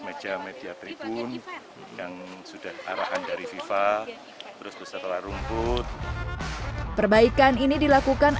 meja media tribun yang sudah arahan dari fifa terus setelah rumput perbaikan ini dilakukan